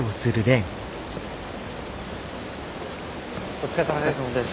お疲れさまです。